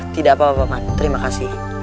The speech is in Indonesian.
tidak apa apa man terima kasih